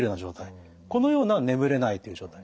このような眠れないという状態。